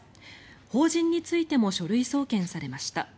法人についても書類送検されました。